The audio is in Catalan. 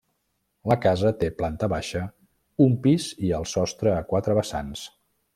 La casa té planta baixa, un pis i el sostre a quatre vessants.